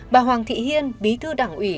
bà hoàng thị hiên bí thư đảng ủy